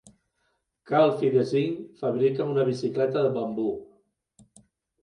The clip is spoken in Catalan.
Calfee Design fabrica una bicicleta de bambú.